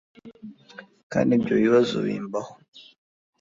kandi ibyo bibazo bimbaho